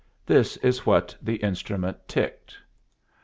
This is what the instrument ticked